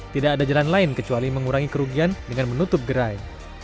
tidak ada jalan lain kecuali mengurangi kerugian dengan menutup gerai